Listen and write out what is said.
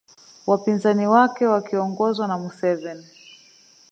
Wapinzani wake wakiongozwa na Museveni